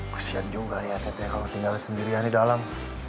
kesian juga ya tete kalau tinggal sendirian di dalam